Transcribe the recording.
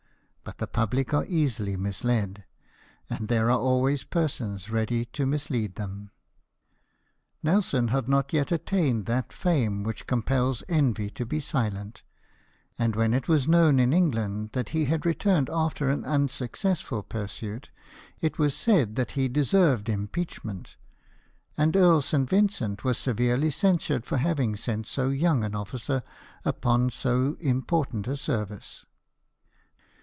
But the public are easily misled, and there are always persons ready to mislead them. Nelson had not yet attained that fame which compels envy to be silent ; and when it was known in England that he had returned after an unsuccessful pursuit, it was said that he deserved impeachment ; and Earl St. Vincent was severely censured for having sent so young an officer upon so important a service.